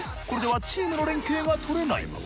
これではチームの連携が取れない。